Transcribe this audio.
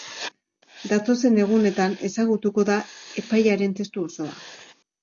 Datozen egunetan ezagutuko da epaiaren testu osoa.